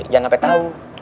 jangan sampe tau